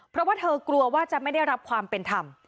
เพราะว่าเธอกลัวว่าจะไม่ได้รับความเป็นธรรม